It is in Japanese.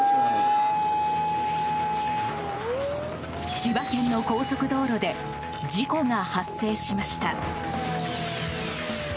千葉県の高速道路で事故が発生しました。